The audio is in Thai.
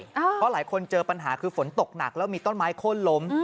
เพราะหลายคนเจอปัญหาคือฝนตกหนักแล้วมีต้นไม้โค้นล้ม